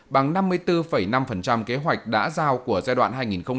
bằng năm mươi bốn năm kế hoạch đã giao của giai đoạn hai nghìn một mươi sáu hai nghìn hai mươi